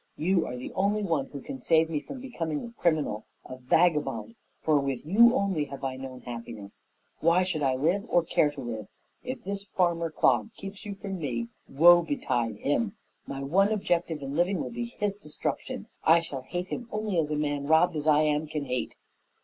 You are the only one who can save me from becoming a criminal, a vagabond, for with you only have I known happiness. Why should I live or care to live? If this farmer clod keeps you from me, woe betide him! My one object in living will be his destruction. I shall hate him only as a man robbed as I am can hate."